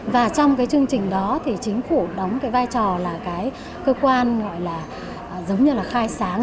và trong chương trình đó chính phủ đóng vai trò là cơ quan gọi là giống như là khai sáng